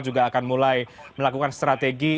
juga akan mulai melakukan strategi